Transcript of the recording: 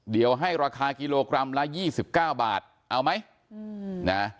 เดี๋ยวให้ราคากิโลกรัมละ๒๙บาทเอาไหมนะ